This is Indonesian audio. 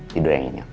tidur yang ingat